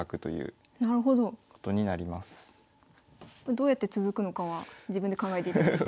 どうやって続くのかは自分で考えていただいて。